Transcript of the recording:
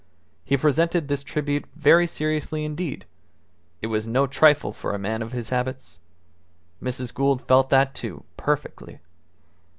He presented this tribute very seriously indeed; it was no trifle for a man of his habits. Mrs. Gould felt that, too, perfectly.